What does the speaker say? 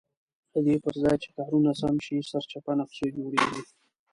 ددې پرځای چې کارونه سم شي سرچپه نقشې جوړېږي.